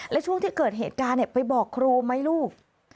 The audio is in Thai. และช่วงที่เกิดเหตุการณ์ไปบอกครูไหมลูก